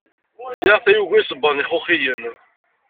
Sɛiɣ tayuga isebbaḍen ixuxiyen.